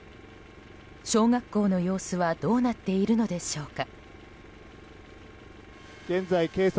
小学校の様子はどうなっているのでしょうか。